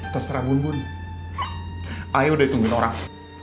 terserah bunbun ayo udah ditungguin orang